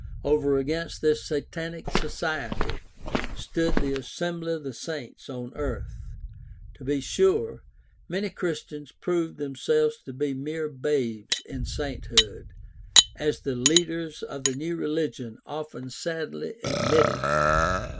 Over against this Satanic society stood the assembly of the saints on earth. To be sure, many Christians proved themselves to be mere babes in sainthood, as the leaders of the new religion often sadly admitted.